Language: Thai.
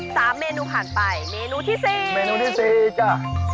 สามเมนูผ่านไปเมนูที่สี่เมนูที่สี่จ้ะ